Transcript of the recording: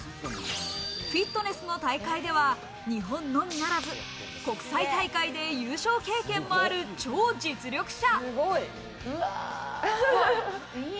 フィットネスの大会では日本のみならず、国際大会で優勝経験もある、超実力者。